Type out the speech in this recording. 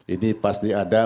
ini pasti ada